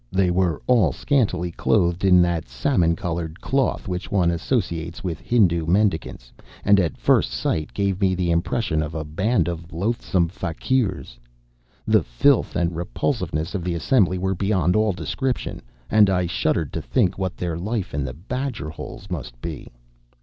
They were all scantily clothed in that salmon colored cloth which one associates with Hindu mendicants, and, at first sight, gave me the impression of a band of loathsome fakirs. The filth and repulsiveness of the assembly were beyond all description, and I shuddered to think what their life in the badger holes must be.